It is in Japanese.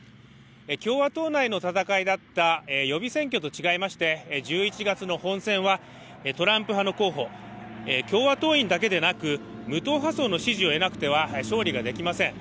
共和党内の戦いだった予備選挙と違いまして１１月の本選はトランプ派の候補、共和党員だけではなく無党派層の支持を得なくては勝利ができません。